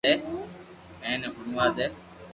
ايني ھڻوا دي